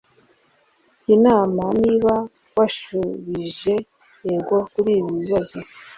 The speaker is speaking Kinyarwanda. inama niba washubije yego kuri ibi bibazo